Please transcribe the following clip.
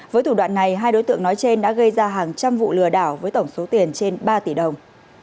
với thủ đoạn này hai đối tượng nói trên đã gây ra hàng trăm vụ lừa đảo với tổng số tiền trên ba tỷ đồng